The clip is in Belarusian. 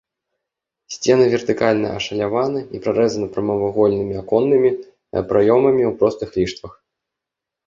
Сцены вертыкальна ашаляваны і прарэзаны прамавугольнымі аконнымі праёмамі ў простых ліштвах.